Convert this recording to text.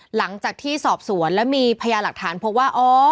หลังจากที่สอบสวนแล้วมีพยาหลักฐานพบว่า